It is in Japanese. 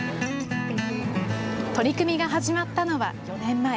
取り組みが始まったのは４年前。